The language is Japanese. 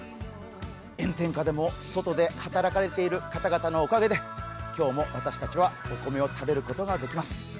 炎天下でも外で働かれている方々のおかげで今日も私たちはお米を食べることができます。